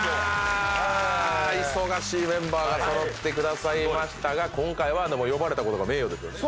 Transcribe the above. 忙しいメンバーが揃ってくださいましたが今回は呼ばれたことが名誉ですよね。